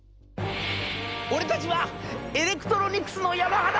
『俺たちはエレクトロニクスのヤマハだ！